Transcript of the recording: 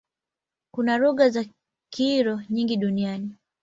Kuna lugha za Krioli nyingi duniani.